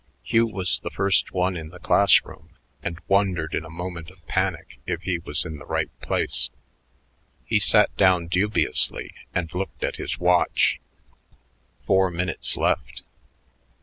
Hugh was the first one in the class room and wondered in a moment of panic if he was in the right place. He sat down dubiously and looked at his watch. Four minutes left.